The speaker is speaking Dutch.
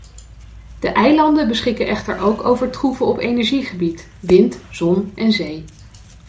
De eilanden beschikken echter ook over troeven op energiegebied: wind, zon en zee.